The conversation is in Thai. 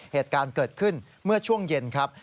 เหตุการณ์เกิดขึ้นเมื่อช่วงเย็นครับ